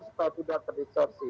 supaya tidak terdiskursi